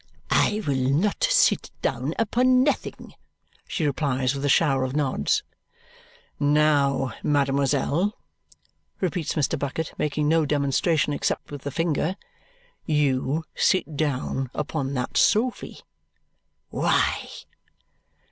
"I will not sit down upon nothing," she replies with a shower of nods. "Now, mademoiselle," repeats Mr. Bucket, making no demonstration except with the finger, "you sit down upon that sofy." "Why?"